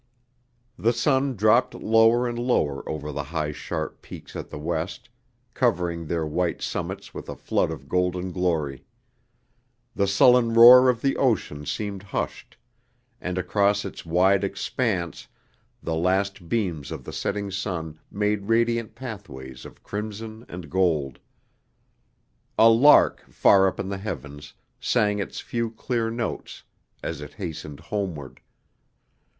The sun dropped lower and lower over the high sharp peaks at the west, covering their white summits with a flood of golden glory. The sullen roar of the ocean seemed hushed, and across its wide expanse the last beams of the setting sun made radiant pathways of crimson and gold. A lark far up in the heavens sang its few clear notes as it hastened homeward.